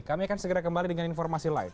kami akan segera kembali dengan informasi lain